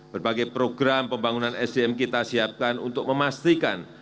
berbagai program pembangunan sdm kita siapkan untuk memastikan